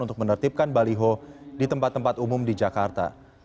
untuk menertibkan baliho di tempat tempat umum di jakarta